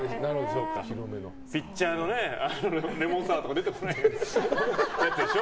ピッチャーのレモンサワーとか出てこないやつでしょ？